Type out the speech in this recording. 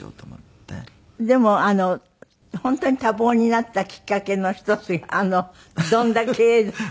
でも本当に多忙になったきっかけの一つあの「どんだけ」が。